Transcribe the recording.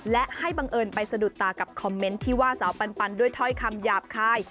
และให้บังเอิญไปสะดุดตากับคอมเมนต์ที่ว่าสาวปันด้วยถ้อยคำหยาบคาย